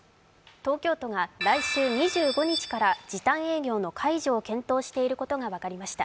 東京都が来週２５日から時短営業の解除を検討していることが分かりました。